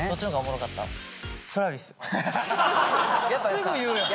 すぐ言うやん！